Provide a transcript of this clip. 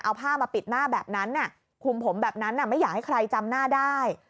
เอาผ้ามาปิดหน้าแบบนั้นคุมผมแบบนั้นไม่อยากให้ใครจำหน้าได้